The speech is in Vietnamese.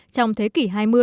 trong thế kỷ hai mươi